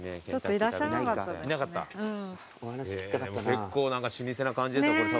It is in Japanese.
結構老舗な感じですよ。